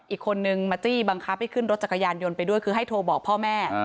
อีกคนนึงมาจี้บังคับให้ขึ้นรถจักรยานยนต์ไปด้วยคือให้โทรบอกพ่อแม่